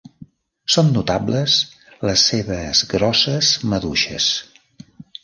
Són notables les seves grosses maduixes.